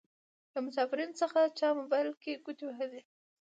له مسافرينو څخه چا موبايل کې ګوتې وهلې.